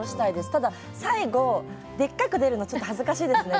ただ、最後でっかく出るの恥ずかしいですね。